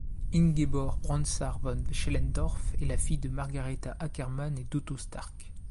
Ingeborg Bronsart von Schellendorf est la fille de Margareta Åkerman et d'Otto Starck.